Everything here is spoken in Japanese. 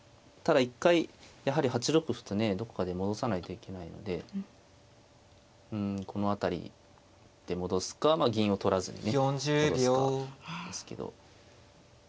ただ一回やはり８六歩とねどこかで戻さないといけないのでうんこの辺りで戻すか銀を取らずにね戻すかですけど。